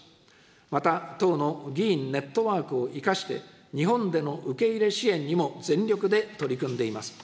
また、党の議員ネットワークを生かして、日本での受け入れ支援にも全力で取り組んでいます。